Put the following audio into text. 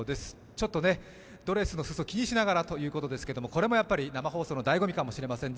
ちょっとドレスの裾を気にしながらということですけども、これもやっぱり生放送のだいご味かもしれません。